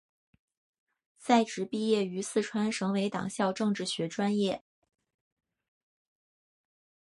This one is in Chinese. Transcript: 在职毕业于四川省委党校政治学专业。